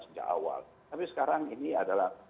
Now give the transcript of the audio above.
sejak awal tapi sekarang ini adalah